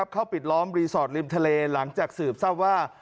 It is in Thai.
ปิดล้อมรีสอร์ทริมทะเลหลังจากสืบทราบว่า